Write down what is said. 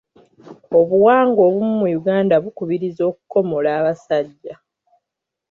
Obuwangwa obumu mu Uganda bukubiriza okukomola abasajja.